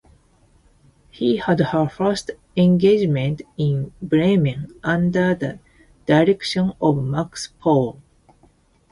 She had her first engagement in Bremen under the direction of Max Pohl.